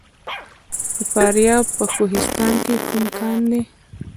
د فاریاب په کوهستان کې کوم کان دی؟